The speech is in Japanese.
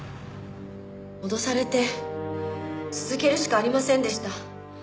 脅されて続けるしかありませんでした。